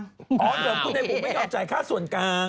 อ๋อเดี๋ยวคุณให้บุ๋มไม่ยอมจ่ายค่าส่วนกลาง